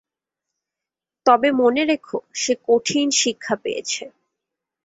তবে মনে রেখো, সে কঠিন শিক্ষা পেয়েছে।